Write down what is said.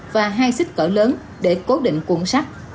và hai xích cỡ lớn để cố định cuộn sắt